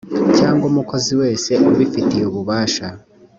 cyangwa umukozi wese ubifitiye ububasha